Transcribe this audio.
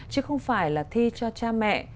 chứ không phải là thi cho cha mẹ